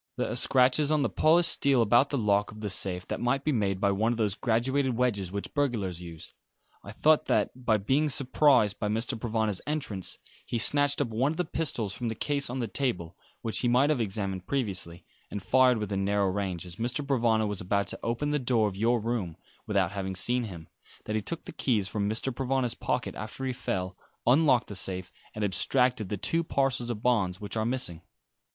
There are scratches on the polished steel about the lock of the safe that might be made by one of those graduated wedges which burglars use. I thought that, being surprised by Mr. Provana's entrance, he snatched up one of the pistols from the case on the table which he might have examined previously and fired within narrow range, as Mr. Provana was about to open the door of your room, without having seen him; that he took the keys from Mr. Provana's pocket after he fell, unlocked the safe, and abstracted the two parcels of bonds which are missing.